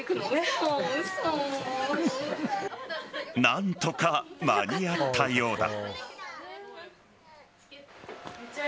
何とか間に合ったようだ。